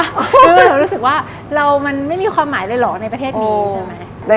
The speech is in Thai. เรารู้สึกว่าเรามันไม่มีความหมายเลยหรอกในประเทศนี้